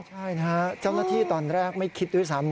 ใช่นะฮะเจ้าหน้าที่ตอนแรกไม่คิดด้วยซ้ำ